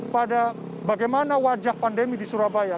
pada bagaimana wajah pandemi di surabaya